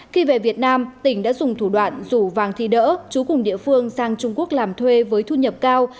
khi về việt nam tỉnh đã dùng thủ đoạn rủ vàng thi đỡ chú cùng địa phương sang trung quốc làm thuê với thu nhập cao